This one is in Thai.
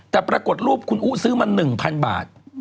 แต่ปรากฏรูปคุณอุ๊ซื้อมา๑๐๐บาท